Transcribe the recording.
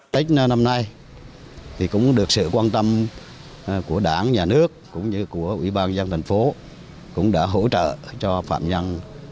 tết năm nay thì cũng được sự quan tâm của đảng nhà nước cũng như của ủy ban dân thành phố cũng đã hỗ trợ cho phạm nhân